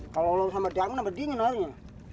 kalau lalu sama damai nanti dingin arunya